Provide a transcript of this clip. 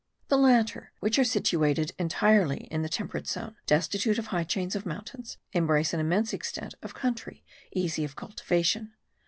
The latter, which are situated entirely in the temperate zone, destitute of high chains of mountains, embrace an immense extent of country easy of cultivation.